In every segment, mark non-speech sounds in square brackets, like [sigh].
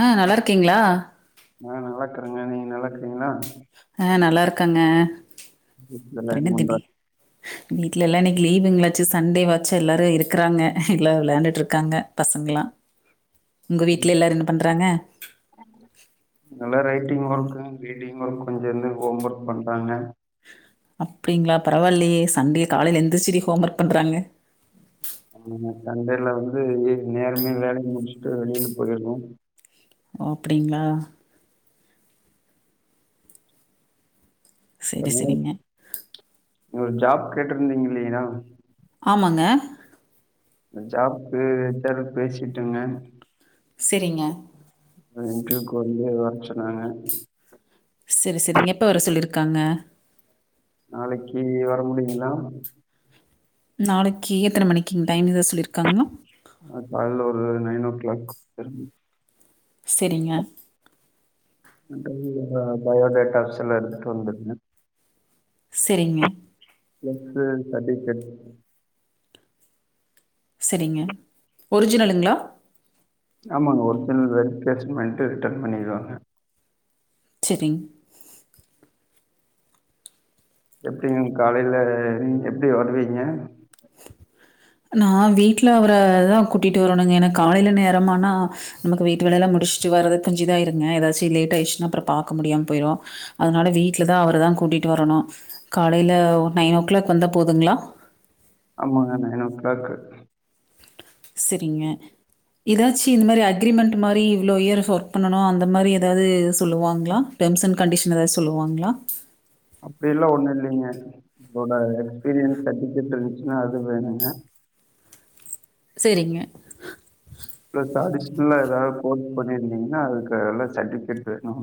அ நல்லாருக்கீங்ளா அ நல்லாக்குறங்க நீங்க நல்லாக்குறிங்ளா அ நல்லாருக்கங்க வீட்ல எல்லா என்ன பண்றாங் வீட்ல எல்லா இன்னிக்கு லீவுங்களாச்சு சண்டேவாச்சு எல்லாரு இருக்கிறாங்க எல்லா வெளைண்டுட்டு இருக்காங்க பசங்களல்லா உங்க சரி வீட்ல எல்லாரு என்ன பண்றாங்க பெயின்டிங் ஒர்க் ரீடிங் ஒர்க் கொஞ்சோ இருந்து ஹோம் ஒர்க் பண்றாங்க அப்டிங்களா பரவாயில்லியே சண்டே காலையில எந்திருச்சிது ஹோம் ஒர்க் பண்றாங்க ஆனா சண்டேல வந்து நேரமே வேல முடிச்சுட்டு வெளில போயிருணு ஓ அப்டிங்களா சரி சரிங்க ஒரு ஜாப் கேட்டிருந்தீங்க இல்லயா ஆமாங்க ஜாப்கு எச்ஆர் பேசிட்டங்க சரிங்க இன்டர்வியூகு வந்து வரசொன்னாங்க. சரி சரிங்க எப்ப வர சொல்லிருக்காங்க நாளைக்கு வர முடியுங்களா நாளைக்கு எத்தன மணிக்கு டைம் எதா சொல்லிருக்காங்களா கால்ல ஒரு நைன்ஓ கிளாக் வந்துருக சரிங்க அது பயோடேட்டா சில எடுத்துட்டு வந்துருக சரிங்க இன்டர்வியூ சர்டிஃபிகெட் சரிங்க ஒரிஜினலுங்களா ஆமாங்க ஒரிஜினல் வெறிபிகேஷன் பண்ணிட்டு ரிட்டர்ன் பண்ணிடுவாங்க [unintelligible] எப்படிங்க காலையில எப்டி வருவீங்க நான் வீட்ல அவரதான் கூட்டிட்டு வரணுங்க என்னா காலையில நேரம்னா நமக்கு வீட்டு வேலைய எல்லாம் முடி ட்டு வர கொஞ்ச இதா ஆயிரூங்கா ஏதாச்சு லேட் ஆயிடுசினா அப்புற பார்க்க முடியாம போயிரும் அதனால வீட்ல தான் அவர தான் [unintelligible] கூட்டிகிட்டு வரணும் காலையில நைன் ஓ கிளாக் வந்தா போதுங்களா ஆமாங்க நயனோக்லாக் சரிங்க ஏதாச்சு இந்த மாரி அக்ரிமெண்ட் மாரி இவ்ளோ இயர் ஒர்க் பண்ணனும் அந்த மாதிரி ஏதாவது சொல்லுவாங்களா டேர்ம்ஸ் அண்ட் கண்டிஷன் எதாவது சொல்லுவாங்களா அப்படி எல்லாம் ஒண்ணு இல்லைங்க உங்களோட எக்ஸ்பீரியன்ஸ் சர்டிகட் இருந்துச்சுன்னா அது வேணுங்க சரிங்க அடிஷ்னலா ஏதாவது கோர்ஸ் பண்ணியிருந்தீங்கன்னா அதுக்கு எல்ல சர்டிபிகேட் வேணும்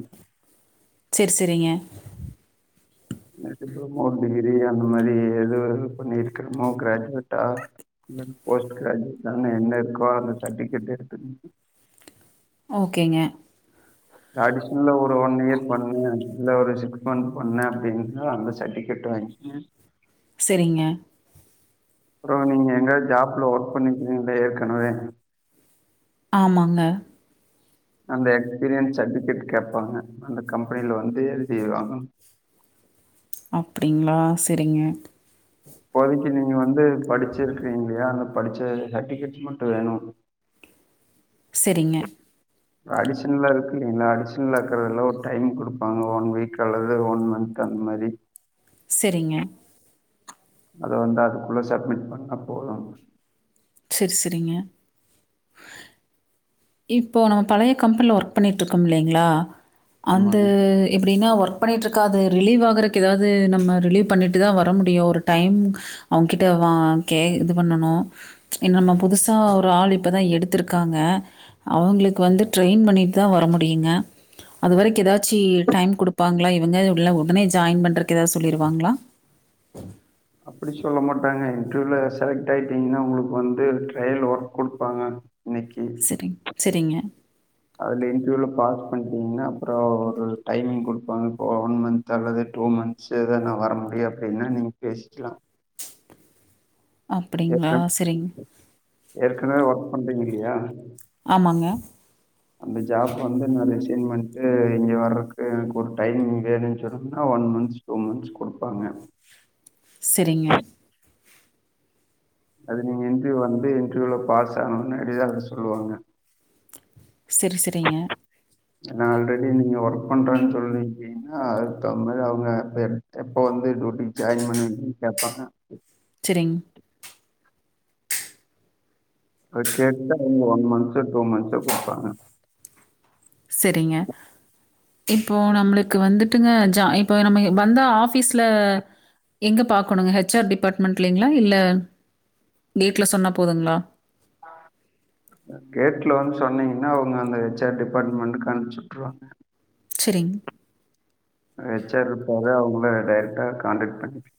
சரி சரிங்க டிப்ளமோ டிகிரி அந்த மாதிரி எதுது பண்ணிருக்கிறமோ கிராஞ்வெட்டா போஸ்ட் கிராஜ்வேட்டா என்ன இருக்கோ அந்த சர்டிஃபிகேட் எடுத்துக்க ஓகேங்க அடிஷன்ல ஒரு ஒன் இயர் பண்ணு இல்ல ஒரு சிக்ஸ் மந்த் பண்ணேன் அப்படின்னுா அந்த சர்டிபிகேட் வாங்கின் சரிங்க. அப்றம் நீங்க எங்கயாது ஜாப்ல ஒர்க் பண்ணிக்கீங்கள ஏற்கனவே ஆமாங்க அந்த எக்ஸ்பீரியன்ஸ் சர்ட்டிபிகேட் கேட்பாங்க அந்த கம்பெனியில வந்து எழுதிவாங்க அப்படிங்களா சரிங்க இப்பதைக்கு நீங்க வந்து படிச்சிருக்கிறீங்க இல்லையா அந்த படிச்ச சர்டிபிகேட் மட்டும் வேணும் சரிங்க அடிஷனலா இருக்கு இலைங்களா அடிஷனலா இருக்கறதெல்லாம் ஒரு டைம் கொடுப்பாங்க ஒன் வீக் அல்லது ஒன் மந்த் அந்தமரி சரிங்க அத வந்து அதுக்குள்ள சப்மிட் பண்ண போதும் சரி சரிங்க இப்போ நம்ம பழைய கம்பெனில ஒர்க் பண்ணிட்டு இருக்கோ இல்லைங்களா அந்த ஆமாங்க. எப்டின்னா ஒர்க் ஒர்க் பண்ணிட்ருக்க அது ரிலீவ் ஆகுறகு ஏதாவது நம்ம ரிலீவ் பண்ணிட்டு தா வர முடியும் ஒரு டைம் அவங்க கிட்ட இப்பவா கே இது பண்ணணு இன்ன நம்ம புதுசா ஒரு ஆள் இப்பதா எடுத்திருக்காங்க அவங்களுக்கு வந்து ட்ரெயின் பண்ணிட்டு தா வர முடியுங்க அதுவரைக்கி ஏதாச்சி டைம் குடுப்பாங்களா இவங்க உள்ள உடனே ஜாயின் பண்றக்கு ஏதாது சொல்லிருவாங்களா [inaudible] அப்படி சொல்ல மாட்டாங்க இன்டர்வியூல செலக்ட் ஆயிட்டீங்கன்னா உங்களுக்கு வந்து ட்ரையல் ஒர்க் குடுப்பாங்க நிக்கி சரிங் சரிங்க அதுல இன்டர்வியூல பாஸ் பண்ணிட்டீங்கன்னா அப்புற ஒரு டைமிங் குடுப்பாங்க ஒன் மந்த் அல்லது டூ மந்த்ஸ் ஏத நா வர முடியு அப்டின்னா நீங்க பேசிக்கலா அப்படிங்களா? ஏற்கன சரிங்க. ஏற்கனவே ஒர்க் பண்றீங்க இல்லையா ஆமாங்க அந்த ஜாப் வந்து நா ரிசைன் பண்ட்டு இங்க வர்றக்கு எனக்கு ஒரு டைம் வேணும்னு சொன்னனா ஒன் மந்த்ஸ் டூ மந்த்ஸ் கொடுப்பாங்க சரிங்க அது நீங்க இன்டர்வியூ வந்து இன்டர்வியூல பாஸ் ஆகணும்னு அடிதா அத சொல்லுவாங்க சரி சரிங்க நா ஆல்ரெடி நீங்க ஒர்க் பண்றேன்னு சொல்லீீருகிங்கன்னா அதுக்கு தகுந் மாரி அவங்க எப்ப வ டூட்டி ஜாய்ன் பண்ணி சரிங் அத கேட்டுட்டா அவங்க ஒன் மந்த்ஸ் டூ மந்த்ஸ் குடுப்பாங்க சரிங்க இப்போ நம்மளுக்கு வந்துட்டுங்க ஜா இப்போ நம்ம வந்தா ஆபீஸ்ல எங்க பாக்கணுங்க ஹச்ஆர் டிபார்ட்மெண்ட்ளங்களா இல்ல டேட்ல சொன்னா போதுங்களா ஆ கேட்ல வந்து சொன்னீங்கன்னா அவங்க அந்த ஹச்ஆர் டிபார்ட்மெண்ட்க்கு அனுப்பிச்சிட்டுருவாங்க [inaudible] ஹெச்ஆர் இருப்பாகா அவங்கள டைரெக்ட்டா கான்டக்ட் பண்ணிக்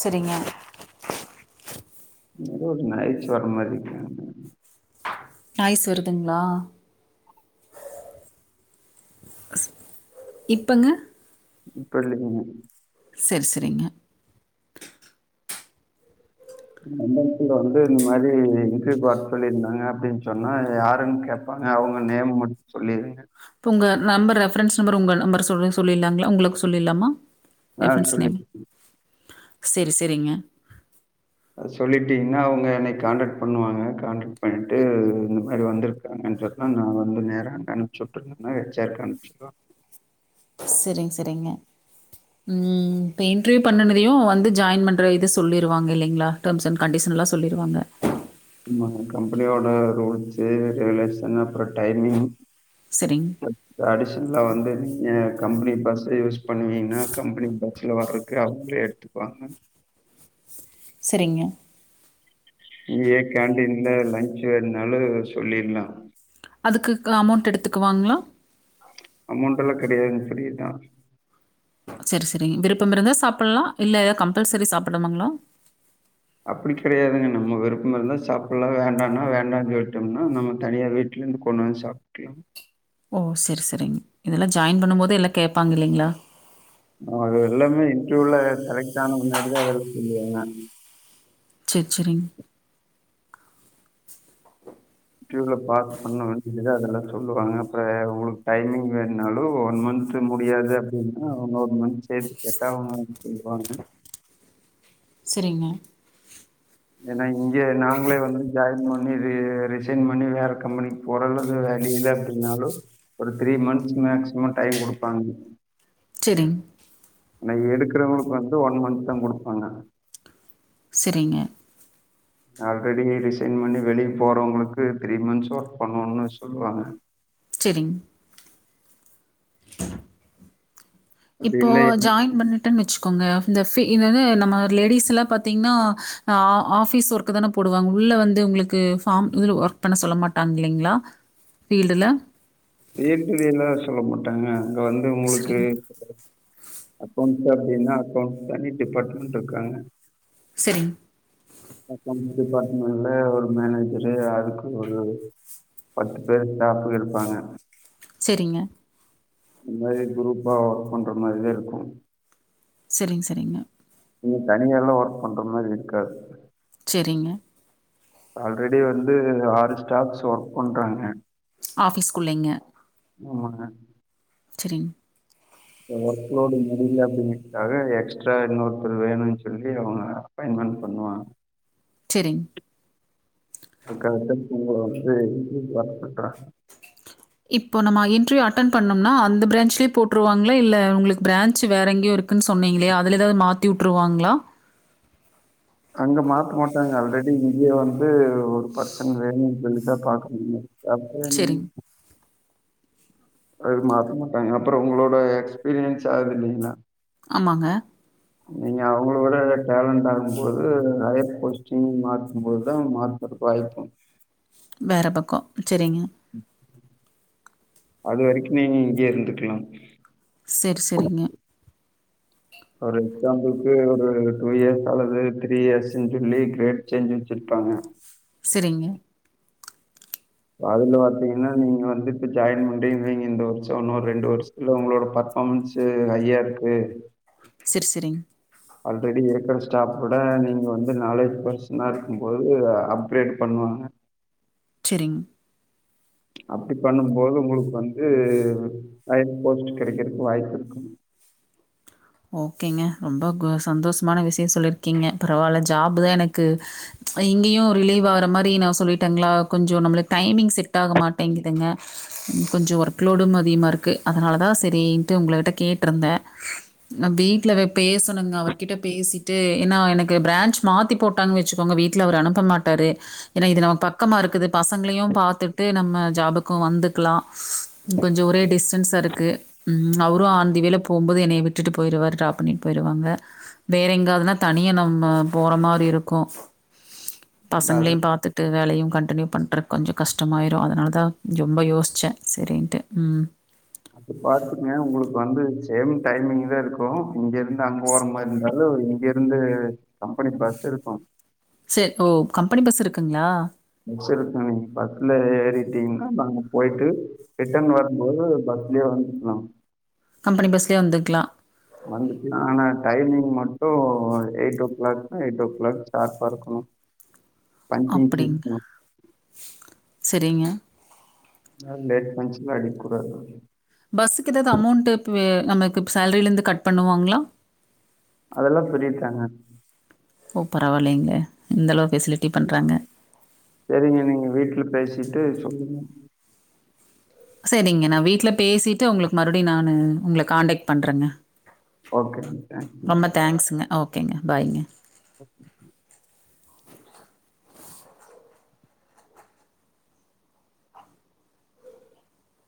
சரிங்க ஏதோ ஒரு ஞாயிற்று வர மாரி இருக்க நாய்ஸ் வருதுங்களா இப்பங்க இப்பள்ளங்க சரி சரிங்க அந்த எடத்ல வந்து இந்த மாரி இருக்கு பாரு சொல்லிருந்தாங்க அப்டின் சொன்னா யாருனு கேப்பாங்க அவுங்க நேரம் முடிஞ்ச் சொல்லிருங்க உங்க நம்பர் ரெஃபரன்ஸ் நம்பர் உங்க நம்பர் சொல்லு சொல்லிலாங்களா உங்ளுக்கு சொல்லிலாமா ஆ சொல்லு செரி செரிங்க சொல்லிடீங்னா அவுங்க என்னய கான்ரக்ட் பண்ணுவாங்க கான்டக்ட் பண்ட்டு இந்த மாரி வந்துருகாங்க நா வந்து நேரா அனுப்ச்சு [unintelligible] சரிங்க, சரிங்க. ம் இப்ப இண்ட்ருயூ பண்ணுனதயு வந்து ஜாயின் பண்ற இது சொல்லிருவாங்க இல்லைங்ளா டெம்ஸ் அண்ட் கண்டிஷன்லா சொல்லிருவாங்க ஆமா கம்பெனியோட ரூல்ஸு ரெகுலேஷனு அப்போற டைமிங் செரிங் அடிஷ்னலா வந்து நீங்க கம்பெனி பஸ் யூஸ் பண்ணுவீங்ன்னா கம்பெனி பஸ்ல வர்ர அவங்களே எடுத்துபாங்க செரிங்க இங்கயே கேண்டின்ல லன்ச் வேணுனாலு சொல்லிர்லா அதுக்கு க அமௌண்ட் எடுத்துக்குவாங்ளா அமௌண்ட் எல்லா கெடையாதுங் ஃப்ரீ தா செரி செரி விருப்பம் இருந்தா சாப்படலா இல்ல எதாது கம்பல்சரி சாப்படனுங்ளா அப்புடி கெடையாதுங்க நம்ம விருப்பம் இருந்தா சாப்படலா வேண்டானா வேண்டான் சொல்ட்டம்னா நம்ம தனியா வீட்ல இருந்து கொண்டு வந்து சாப்டுக்லாங் ஓ செரி செரிங் இதெல்லா ஜாய்ன் பண்ணும் போதே எல்லா கேப்பாங் இல்லைங்ளா அது எல்லாமே இன்ட்ரியூல செலெக்ட் ஆன முன்னாடிதா அதெல்லா சொல்லுவாங்க செர் செரிங் இன்ட்ரியூல பாஸ் பண்ணவங்கள்தா அதெல்லா சொல்லுவாங்க அப்றோ உங்ளுக்கு டைமிங் வேனுனாலு ஒன் மந்த் மந்த் முடியாது அப்டினா இன்னு ஒன் மந்த் சேத்து கேட்டா அவுங்க சொல்லுவாங்க செரிங்க ஏனா இங்க நாங்களே வந்து ஜாய்ன் பண்ணிது ரிசைன் பண்ணி வேற கம்பெனிக் போற இது வேல்யூ இல்ல அப்டினாலு ஒரு three months maximum time time குடுப்பாங்க செரிங் ஆனா எடுக்றவங்ளுக்கு வந்து ஒன் மன்த் தா குடுப்பாங்க செரிங்க ஆல்ரெடி ரிசைன் பண்ணி வெளிய போறவங்களுக்கு த்ரீ மன்த்ஸ் ஒர்க் பண்ணோனு சொல்லுவாங்க செரிங் அப்படி இப்போ இல்லை ஜாய்ன் பண்ணிட்டன் வச்சுகோங்க இந்த ஃபீ இந்த வந்து நம்ம லேடிஸ்லா பாத்தீங்னா அ ஆஃபீஸ் ஒர்க்கு தான போடுவாங்க உள்ள வந்து உங்ளுக்கு ஃபாம் இதுல ஒர்க் பண்ண சொல்ல மாட்டாங் இல்லைங்ளா ஃபீல்டுல ஃபீல்டு வேலா சொல்ல மாட்டாங்க அங்க வந்து உங்குளுக்கு சரிங்க, அக்கௌண்ட்ஸ் அப்டினா அக்கௌண்ட்ஸ் தனி டிபார்ட்மெண்ட் இருக்காங்க செரிங் அகாகௌன்ட் டிபாட்மெண்ட்ல ஒரு மேனேஜரு அதுக்கு ஒரு பத்து பேரு ஸ்டாஃபுக இருப்பாங்க செரிங்க இந்த மாரி க்ரூப்பா ஒர்க் பண்ற மாரிதா இருக்கு செரிங் செரிங்க நீங்க தனியாலா ஒர்க் பண்ற மாரி இருக்காது செரிங்க ஆல்ரெடி வந்து ஆறு ஸ்டாஃப்ஸ் ஒர்க் பண்றாங்க ஆஃபீஸ்குள்ளைங்க ஆமாங்க சரிங் ஒர்க்லோடு முடியல அப்டின்றக்காக எக்ஸ்ட்ரா இன்னொருத்தர் வேணுன் சொல்லி அவங்க அப்பாய்ண் மெண்ட் பண்ணுவாங் சரிங்க. அதுக்காகத்தா இங்க வந்து இப்டி ஒர்க் பண்றாங்க இப்போ நம்ம இன்டரியூ அட்டன் பண்ணம்னா அந்த பிரான்ச்லயே போட்ருவாங்களா இல்ல உங்களுக்கு பிரான்ச் வேற எங்கயோ இருக் குன்னு சொன்னீங்களே அதுல எதாவது மாத்தி உட்ருவாங்ளா அங்க மாத்த மாட்டாங்க அல்ரெடி இங்கயே வந்து ஒரு பர்சன் வேணுன் சொல்லிதா பாக்க முடியு அப்ற என் சரிங்க. அது மாத்த மாட்டாங்க அப்பற உங்களோட எக்ஸ்பீரியன்ஸ் ஆகுது இல்லிங்ளா ஆமாங்க நீங்க அவங்கள விட டேலண்ட் ஆகும்போது நறைய போஸ்டிங் மாத்தும் போதுதா மாத்த வாய்ப்பு வேற பக்கோ சரிங்க அது வரைக்குமே இங்கேயே இருந்துக்குலா செர் செரிங்க ஒரு எக்ஸாம்பிள்க்கு ஒரு டூ இயர்ஸ் அல்லது த்ரீ இயர்ஸுன் சொல்லி கிரேட் சேஞ்சுன் சொல்லி காங்க செரிங்க அதுல பாத்தீங்கன்னா நீங்க வந்துட்டு ஜாயின் பண்றீீங்க இந்த வருஷோ ஒன்னோரு ரெண்டு வருஷத்துல உங்களோட ப அக்கவுண்ட்சு ஹையா இருக்கு செர் செரிங்க ஆல்ரெடி இருக்குற ஸ்டாஃப் விட நீங்க வந்து நாலேஜ் பர்சனா இருக்கும்போது அப்கிரேட் பண்ணுவாங்க செரிங் அப்டி பண்ணும்போது உங்களுக்கு வந்து ஹயர் போஸ்ட் கெடைக்கிறக்கு வாய்ப்பு இருக்கும் ஓகேங்க ரொம்ப கு சந்தோஷமான விஷய சொல்லிருக்கீங்க பரவால்ல ஜாப் தா எனக்கு சோ இங்கேயு ரிலீவ் ஆகுற மாரி நா சொல்லிட்டேங்களா கொஞ்சோ நம்மளுக்கு டைமிங் செட் ஆக மாட்டேங்கிதுங்க கொஞ்சோ ஒர்க்லோடும் அதிகமா இருக்கு அதனால தா சரின்ட்டு உங்களட்ட கேட்டிருந்தே நா வீட்லவே பேசணுங்க அவர் கிட்ட பேசிட்டு ஏன்னா எனக்கு பிரான்ஞ்ச் மாத்தி போட்டாங்க வச்சுக்கோங்க வீட்டுல அவர் அனுப்ப மாட்டாரு ஏன்னா இது நம்ம பக்கமா இருக்குது பசங்களையு பாத்துட்டு நம்ம ஜாபுக்கு வந் துக்கலா கொஞ்சோ ஒரே டிஸ்டன்ஸா இருக்கு ம் அவரு ஆன் தி வேல போம்போது என்னைய விட் டுட்டு போயிருவாரு டிராப் பண்ணிட்டு போயிருவாங்க வேற எங்காதுன்னா தனியா நம்ம போற மாரி இருக்கு அது பசங்களையு பாத்துட்டு வேலையு கன் டினியூ பண்றக்கு கொஞ்சோ கஷ்டமாயிறு அதனால தா ரொம்ப யோச்சே செரின்ட்டு ம் அது பாத்துங்க உங்களுக்கு வந்து சேம் டைமிங் தா இருக்கு இங்க இருந்து அங்க போற மாரி இருந்தாலு இங்க இருந்து கம்பெனி பஸ் இருக்கு செ ஓ கம்பெனி பஸ் இருக்குங்க்ளா வச்சு இருக்காங் நீ பஸ்ல ஏறிட்டீங்கன்னா நாங்க போயிட்டு ரிட்டன் வரும்போது ப ஸ்லயே வந்துக்லா கம்பெனி பஸ்லயே வந்துக்லா வந்துக்லா ஆனா டைமிங் மட்டு eight o'clock eight o'clock சார்பா இருக்கனு அ [unintelligible] இருக்கனு செரிங்க ந லேட் பஞ்சுல அடிக் கூடாது பஸ்ஸுக்கு ஏதாவது அமௌண்டுப்பே நமக்கு சேலரில இருந்து கட் பண்ணுவாங்களா அதெல்லா ஃபிரித்தாங்க ஓ பரவாயில்லைங்க இந்தளவு ஃபெசிலிட்டி பண்றாங்க செரிங்க நீங்க வீட்டுல பேசிட்டு சொல்லுங்க செரிங்க நா வீட்டு்ல பேசிட்டு உங்களுக்கு மறுபடியு நானு உங்கள காண்டாக்ட் பண்றேங்க ஓகேங்க தேங்க்ஸுங்க ரொம்ப தேங்க்ஸுங்க ஓகேங்க பாய்ங்க